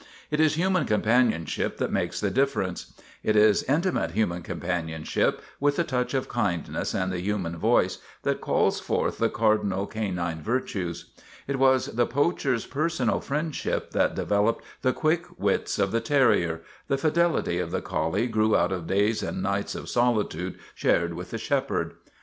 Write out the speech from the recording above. It is human companionship that makes the differ ence. It is intimate human companionship with the touch of kindness and the human voice that calls forth the cardinal canine virtues. It was the poacher's personal friendship that developed the quick wits of the terrier; the fidelity of the collie grew out of days and nights of solitude shared with the shepherd.